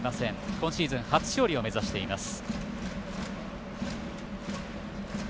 今シーズン初勝利を目指しています。